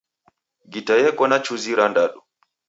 Gita yeko na chuzi irandadu.